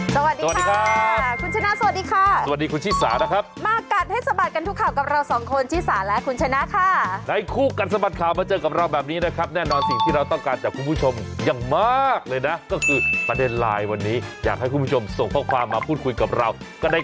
จันทร์จันทร์จันทร์จันทร์จันทร์จันทร์จันทร์จันทร์จันทร์จันทร์จันทร์จันทร์จันทร์จันทร์จันทร์จันทร์จันทร์จันทร์จันทร์จันทร์จันทร์จันทร์จันทร์จันทร์จันทร์จันทร์จันทร์จันทร์จันทร์จันทร์จันทร์จันทร์